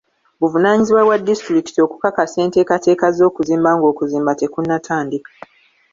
Buvunaanyizibwa bwa disitulikiti okukakasa enteekateeka z'okuzimba ng'okuzimba tekunatandika